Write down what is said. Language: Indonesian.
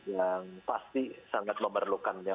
yang pasti sangat memerlukannya